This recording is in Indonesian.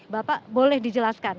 bapak boleh dijelaskan